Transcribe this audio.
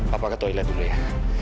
papa ke toilet dulu ya